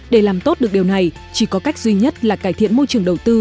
để làm tốt được điều này chỉ có cách duy nhất là cải thiện môi trường đầu tư